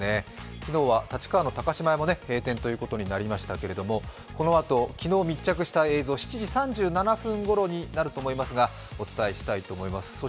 昨日は立川の高島屋も閉店ということにりましたけどこのあと昨日密着した映像、７時３７分ごろにお伝えします。